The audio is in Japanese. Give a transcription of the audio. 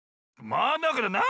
まだかな。